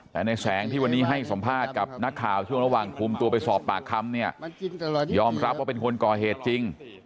แต่ในแสงที่วันนี้ให้สัมภาษณ์กับนักข่าวช่วงระหว่างคุมตัวไปสอบปากคำเนี่ยยอมรับว่าเป็นคนก่อเหตุจริง